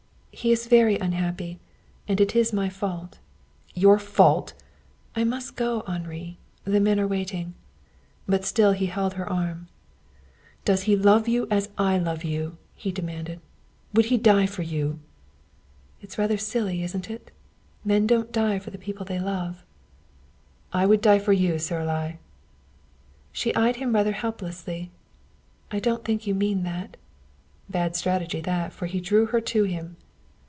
He is very unhappy, and it is my fault." "Your fault!" "I must go, Henri. The men are waiting." But he still held her arm. "Does he love you as I love you?" he demanded. "Would he die for you?" "That's rather silly, isn't it? Men don't die for the people they love." "I would die for you, Saralie." She eyed him rather helplessly. "I don't think you mean that." Bad strategy that, for he drew her to him.